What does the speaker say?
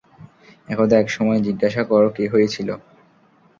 একদা এক সময় জিজ্ঞাসা কর কী হয়েছিল?